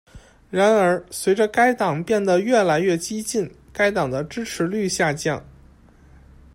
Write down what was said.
然而，随着该党变得越来越激进，该党的支持率下降。